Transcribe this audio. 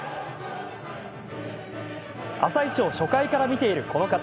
「あさイチ」を初回から見ている、この方。